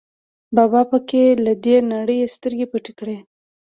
بابا په کې له دې نړۍ سترګې پټې کړې.